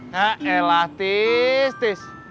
hah elah pris pris